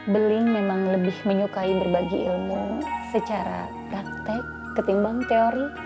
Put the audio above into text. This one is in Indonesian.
beling memang lebih menyukai berbagi ilmu secara praktek ketimbang teori